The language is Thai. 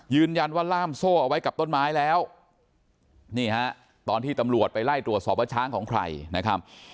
ล่ามโซ่เอาไว้กับต้นไม้แล้วนี่ฮะตอนที่ตำรวจไปไล่ตรวจสอบว่าช้างของใครนะครับ